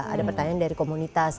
ada pertanyaan dari komunitas